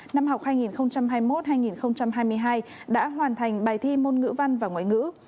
năm học hai nghìn hai mươi một hai nghìn hai mươi hai đã hoàn thành bài thi môn ngữ văn và ngoại ngữ